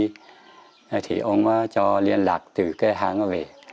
thế thì ông cho liên lạc từ cái hàng về